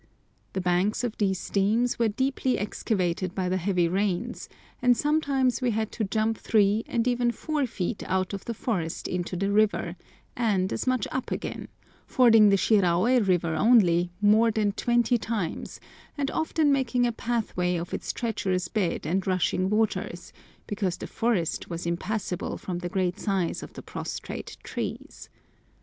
The banks of these streams were deeply excavated by the heavy rains, and sometimes we had to jump three and even four feet out of the forest into the river, and as much up again, fording the Shiraôi river only more than twenty times, and often making a pathway of its treacherous bed and rushing waters, because the forest was impassable from the great size of the prostrate trees.